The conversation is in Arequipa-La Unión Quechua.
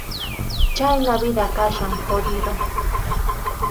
Chhayna vida kachkan jodido.